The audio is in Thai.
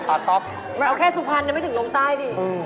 ปาต๊อบเอาแค่สุภัณฑ์ยังไม่ถึงลงใต้ดิ